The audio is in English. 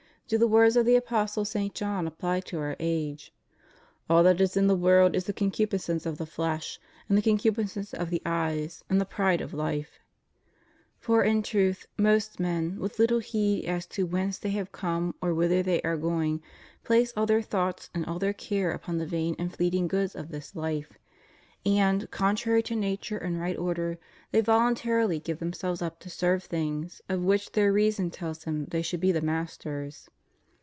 do liie words of the apostle St. John apply to our age: All that is in the world is the concupiscence of the flesh, and the concupis cence of the eyes, and the pride of life} For in truth most men, with little heed as to whence they have come or whither they are going, place all their thoughts and all their care upon the vain and fleeting goods of this life; and, contrary to nature and right order, they voluntarily give themselves up to serve things of which their reason tells them they should be the masters.